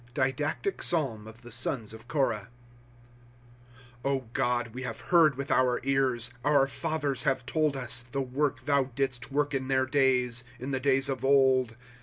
Didactic [Pstilm] of the Sons of Koraii. ^ God, we have heard with our ears, Our fathers have told us, The work thou didst work in their days, In the days of old.